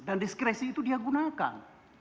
dan diskresi itu dia gunakan